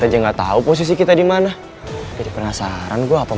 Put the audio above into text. jalan ke sebelah sana